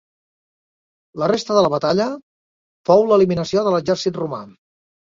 La resta de la batalla fou l'eliminació de l'exèrcit romà.